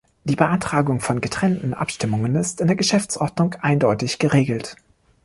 Die Beantragung von getrennten Abstimmungen ist in der Geschäftsordnung eindeutig geregelt.